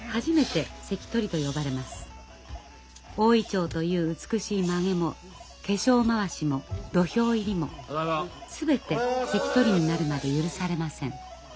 大銀杏という美しいまげも化粧まわしも土俵入りも全て関取になるまで許されません。